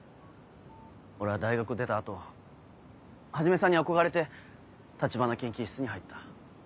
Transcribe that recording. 俺は大学を出た後始さんに憧れて立花研究室に入った。